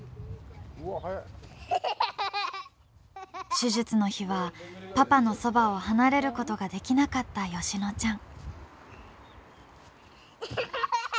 手術の日はパパのそばを離れることができなかった美乃ちゃん。